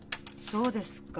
そうですか。